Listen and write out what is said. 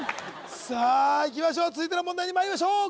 さあいきましょう続いての問題にまいりましょう